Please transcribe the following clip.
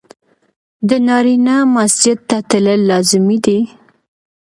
د نارينه مسجد ته تلل لازمي دي.